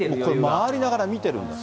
回りながら見てるんですね。